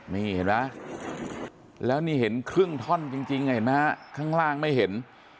นี่เห็นไหมแล้วนี่เห็นครึ่งท่อนจริงเห็นไหมฮะข้างล่างไม่เห็น